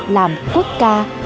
làm quốc ca